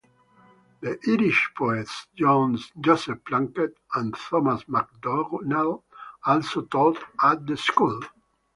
The Irish poets, Joseph Plunkett and Thomas MacDonagh also taught at the school.